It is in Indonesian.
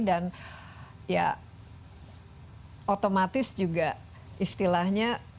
dan ya otomatis juga istilahnya